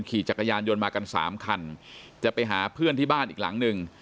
ขี่จักรยานยนต์มากันสามคันจะไปหาเพื่อนที่บ้านอีกหลังหนึ่ง